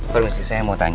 permisi saya mau tanya